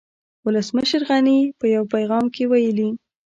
ولسمشر غني په يو پيغام کې ويلي